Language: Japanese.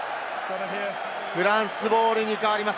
フランスボールに変わります。